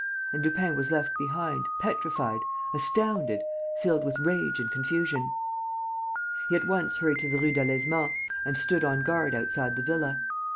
And Lupin was left behind, petrified, astounded, filled with rage and confusion. He at once hurried to the Rue Delaizement and stood on guard outside the villa.